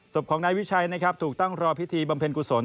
ศพของนายวิชัยนะครับถูกตั้งรอพิธีบำเพ็ญกุศล